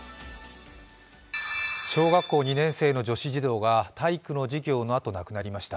小学校２年生の女子児童が体育の授業のあと亡くなりました。